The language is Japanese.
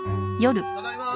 ただいま。